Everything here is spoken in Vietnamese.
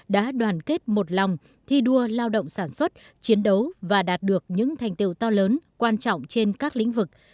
đã đoàn kết một lòng thi đua lao động sản xuất chiến đấu và đạt được những thành tiêu to lớn quan trọng trên các lĩnh vực